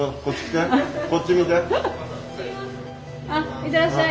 いってらっしゃい。